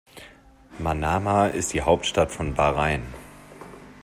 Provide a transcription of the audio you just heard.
Manama ist die Hauptstadt von Bahrain.